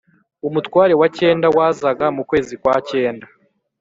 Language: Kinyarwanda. Umutware wa cyenda wazaga mu kwezi kwa cyenda